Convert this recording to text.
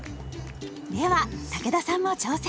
では武田さんも挑戦！